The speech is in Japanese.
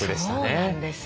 そうなんです。